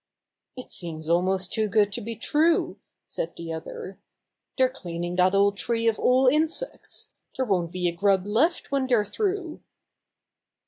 "It seems almost too good to be true," said the other. "TheyVe cleaning that old tree of all insects. There won't be a grub left when they're through."